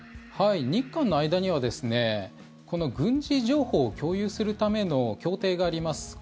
日韓の間にはこの軍事情報を共有するための協定があります。